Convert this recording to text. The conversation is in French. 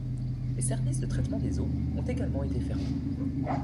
Les services de traitement des eaux ont également été fermés.